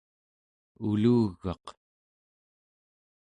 ulugaq